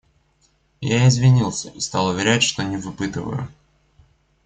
Я извинился и стал уверять, что не выпытываю.